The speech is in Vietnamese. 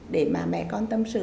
để mà mẹ con tâm sự